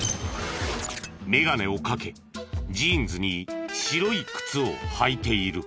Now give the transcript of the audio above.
メガネをかけジーンズに白い靴を履いている。